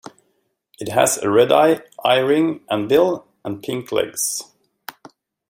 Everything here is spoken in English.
It has a red eye, eye ring and bill, and pink legs.